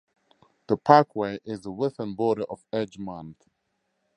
The parkway is the western border of Edgemont.